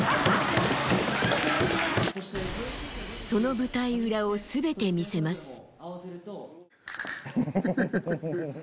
その舞台裏をすべて見せます。